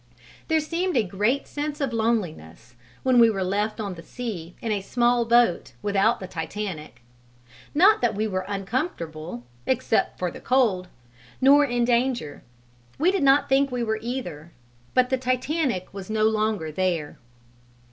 There seemed a great sense of loneliness when we were left on the sea in a small boat without the Titanic: not that we were uncomfortable (except for the cold) nor in danger: we did not think we were either, but the Titanic was no longer there.